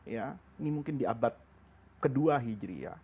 ini mungkin di abad kedua hijri ya